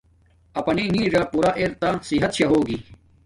اپانݵ نݵڎا پورا ار تا صحت شاہ ہوگی